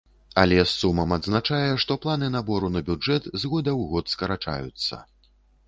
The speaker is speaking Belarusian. Але з сумам адзначае, што планы набору на бюджэт з года ў год скарачаюцца.